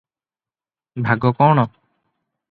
ଭାଗ କଣ?